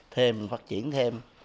thêm phát triển thêm